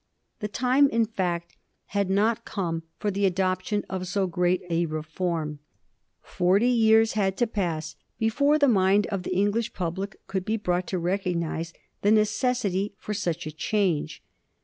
The time, in fact, had not come for the adoption of so great a reform. Forty years had to pass before the mind of the English public could be brought to recognize the necessity for such a change.